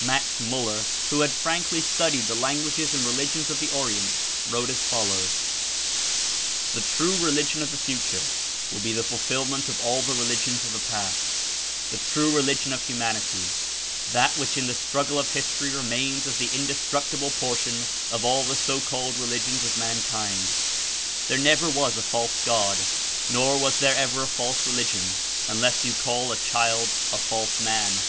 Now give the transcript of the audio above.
Max Muller, who had frankly studied the languages and religions of the Orient, wrote as follows: "The true religion of the future will be the ful filment of all the religions of the past, the true religion of humanity, that which in the struggle of history remains as the indestructible portion of all the so called religions of mankind. There never was a false God, nor was there ever a false religion, unless you call a child a false man.